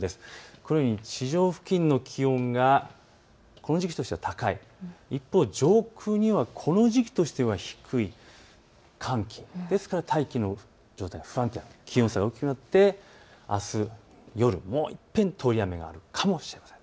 このように地上付近の気温がこの時期としては高い、一方、上空にはこの時期としては低い寒気、ですから大気の状態が不安定、あす夜もういっぺん通り雨があるかもしれません。